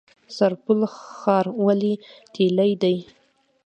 سرپل ښار ولې تیلي دی؟